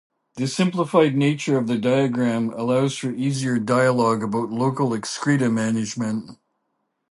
The simplified nature of the diagram allows for easier dialog about local excreta management.